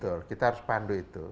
betul kita harus pandu itu